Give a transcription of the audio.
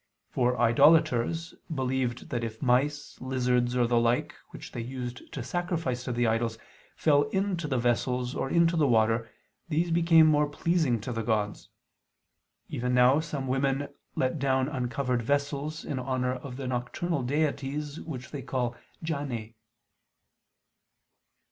For idolaters believed that if mice, lizards, or the like, which they used to sacrifice to the idols, fell into the vessels or into the water, these became more pleasing to the gods. Even now some women let down uncovered vessels in honor of the nocturnal deities which they call "Janae."